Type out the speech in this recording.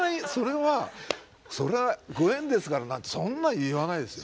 それは「ご縁ですから」なんてそんな言わないですよ。